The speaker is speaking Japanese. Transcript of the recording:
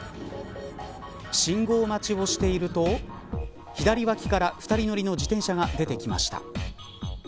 信号待ちをしてると左脇から２人乗りの自転車が出てきました。